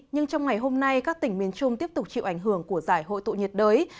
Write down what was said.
nhưng trong ngày hôm nay các tỉnh miền trung tiếp tục chịu ảnh hưởng của giải hội tụ nhiệt đới